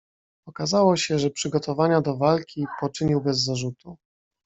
"Okazało się, że przygotowania do walki poczynił bez zarzutu."